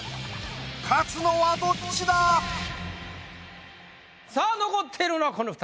勝つのはどっちだ⁉さぁ残っているのはこの２人。